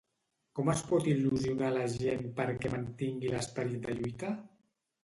Com es pot il·lusionar la gent perquè mantingui l’esperit de lluita?